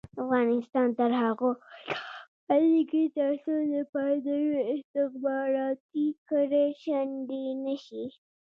افغانستان تر هغو نه ابادیږي، ترڅو د پردیو استخباراتي کړۍ شنډې نشي.